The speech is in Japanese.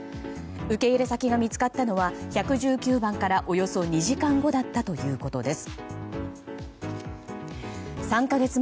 受け入れ先が見つかったのは１１９番からおよそ２時間後だったということです。